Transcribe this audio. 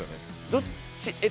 どっち？